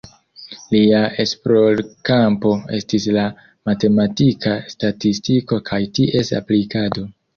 Lia esplorkampo estis la matematika statistiko kaj ties aplikado.